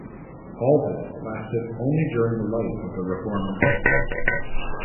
All this lasted only during the life of the reformer.